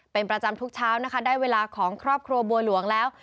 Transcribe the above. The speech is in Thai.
เป็นประจำทุกเช้านะคะได้เวลาของครอบครัวบัวหลวงแล้ว